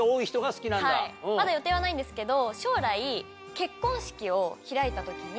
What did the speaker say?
はいまだ予定はないんですけど。